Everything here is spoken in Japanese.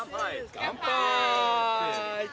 乾杯！